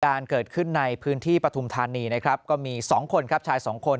การเกิดขึ้นในพื้นที่ปฐุมธานีนะครับก็มีสองคนครับชายสองคน